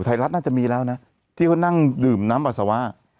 ทายลักษณะจะมีแล้วนะที่เขานั่งดื่มน้ำอสวะ